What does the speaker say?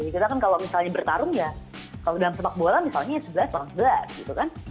kita kan kalau misalnya bertarung kalau dalam sepak bola misalnya sebelas orang sebelas